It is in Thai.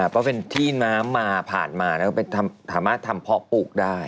เพราะเป็นที่น้ำมาผ่านมาแล้วก็สามารถทำเพาะปลูกได้